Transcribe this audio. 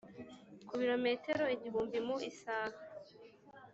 ku bilometero igihumbi mu isaha,